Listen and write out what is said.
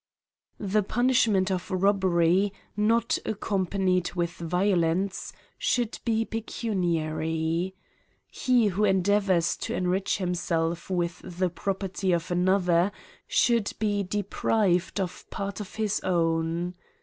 THE punishment of robbery, not accompanied with violence, should be pecuniary. He who en deavours to enrich himself with the property of another should be deprived of part of his own.